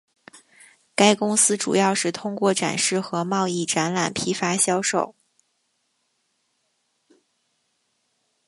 该公司主要是通过展示和贸易展览批发销售。